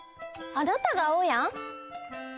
あなたがあおやん？